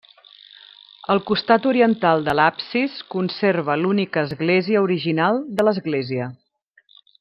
El costat oriental de l'absis conserva l'única església original de l'església.